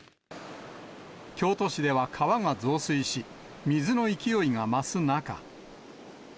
京都市では川が増水し、水の勢いが増す中。